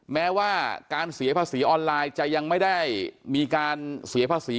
แม้ว่าการเสียภาษีออนไลน์จะยังไม่ได้มีการเสียภาษี